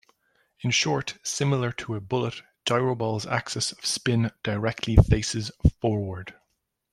In short, similar to a bullet, gyroball's axis of spin directly faces forward.